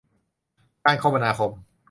การคมนาคม